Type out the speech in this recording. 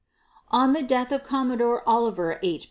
ON THE DEATH OF COMMODORE OLIVER H.